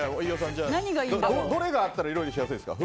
どれがあったら料理しやすいですか？